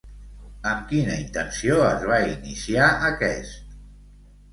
Amb quina intenció es va iniciar aquest?